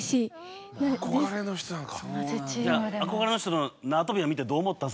憧れの人なのか。